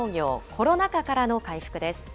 コロナ禍からの回復です。